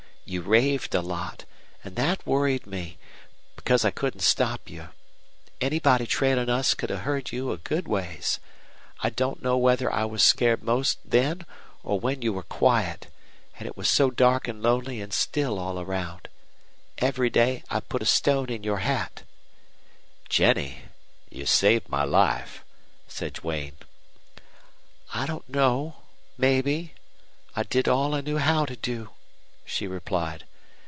You raved a lot, and that worried me, because I couldn't stop you. Anybody trailing us could have heard you a good ways. I don't know whether I was scared most then or when you were quiet, and it was so dark and lonely and still all around. Every day I put a stone in your hat." "Jennie, you saved my life," said Duane. "I don't know. Maybe. I did all I knew how to do," she replied.